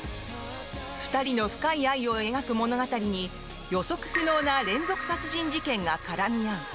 ２人の深い愛を描く物語に予測不能な連続殺人事件が絡み合う。